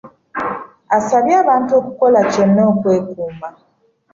Asabye abantu okukola kyonna okwekuuma.